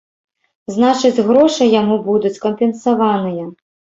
Значыць, грошы яму будуць кампенсаваныя.